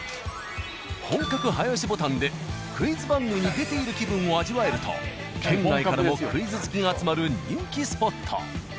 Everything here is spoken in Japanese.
本格早押しボタンでクイズ番組に出ている気分を味わえると県外からもクイズ好きが集まる人気スポット。